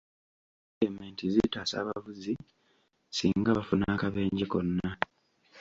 Erementi zitaasa abavuzi singa bafuna akabenje konna.